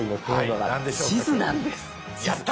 やった！